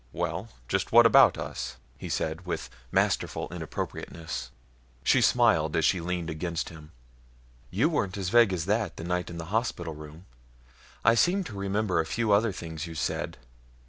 "Well, just what about us?" he said with masterful inappropriateness. She smiled as she leaned against him. "You weren't as vague as that, the night in the hospital room. I seem to remember a few other things you said.